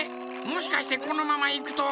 もしかしてこのままいくと。